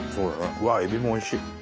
うわっエビもおいしい。